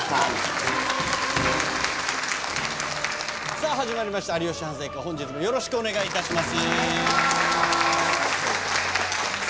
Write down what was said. さぁ始まりました『有吉反省会』本日もよろしくお願いします。